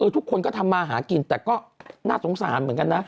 ทุกคนก็ทำมาหากินแต่ก็น่าสงสารเหมือนกันนะ